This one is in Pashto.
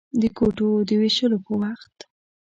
د کوټو د وېشلو په وخت.